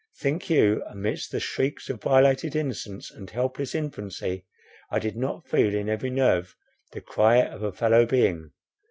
Think you, amidst the shrieks of violated innocence and helpless infancy, I did not feel in every nerve the cry of a fellow being?